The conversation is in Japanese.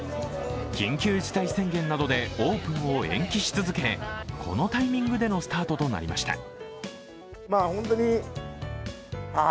緊急事態宣言などでオープンを延期し続け、このタイミングでのスタートとなりました。